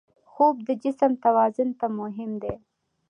خوب د جسم توازن ته مهم دی